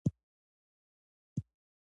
مېلمه ته لږ وخت هم ارزښت لري.